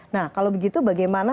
nah kalau begitu bagaimana